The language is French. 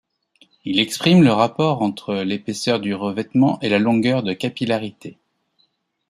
Il exprime le rapport entre l'épaisseur du revêtement et la longueur de capillarité.